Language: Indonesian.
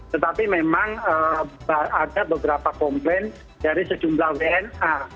tetapi memang ada beberapa komplain dari sejumlah wna